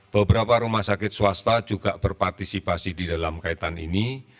beberapa rumah sakit swasta juga berpartisipasi di dalam kaitan ini